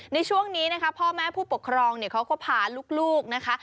ในช่วงนี้นะคะพ่อแม่ผู้ปกครองเขาก็พาลูกนะคะ